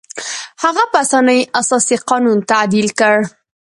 هغه په اسانۍ اساسي قانون تعدیل کړ.